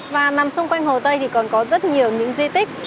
và nằm xung quanh hồ tây thì còn có rất nhiều những di tích